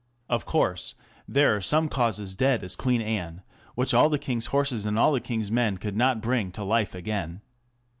Of course, there are some causes dead as Queen Anne, which all the king's horses and all the king's men could not bring to life again.